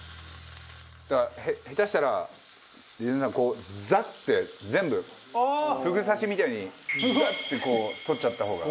だから下手したらこうザッて全部ふぐ刺しみたいにザッてこう取っちゃった方が。